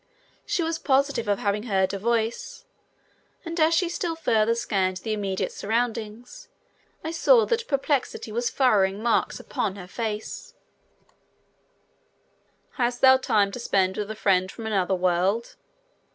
She was positive of having heard a voice, and as she still further scanned the immediate surroundings I saw that perplexity was furrowing marks upon her face. [Illustration: Beautiful Plume on the World of Swift.] "Hast thou time to spend with a friend from another world?"